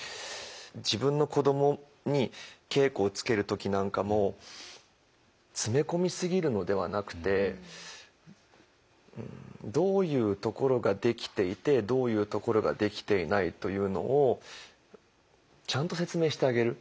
自分の子どもに稽古をつける時なんかも詰め込み過ぎるのではなくてどういうところができていてどういうところができていないというのをちゃんと説明してあげる。